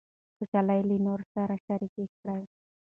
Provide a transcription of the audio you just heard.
خوشحالي له نورو سره شریکه کړئ.